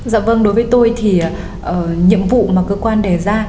dạ vâng đối với tôi thì nhiệm vụ mà cơ quan đề ra